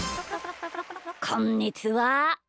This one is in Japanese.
こんにちは。